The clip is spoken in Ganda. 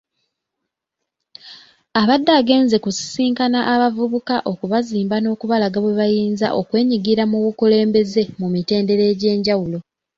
Abadde agenze kusisinkana abavubuka okubazimba n'okubalaga bwe bayinza okwenyigira mu bukulembeze mu mitendera egy'enjawulo.